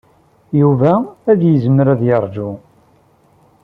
Yuba ad yezmer ad yeṛju.